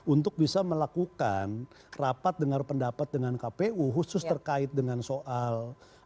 untuk bisa melakukan rapat dengar pendapat dengan kpu khusus terkait dengan soal